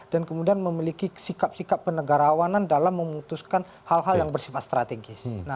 kemudian memiliki sikap sikap penegarawanan dalam memutuskan hal hal yang bersifat strategis